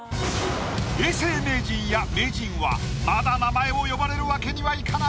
永世名人や名人はまだ名前を呼ばれるわけにはいかない。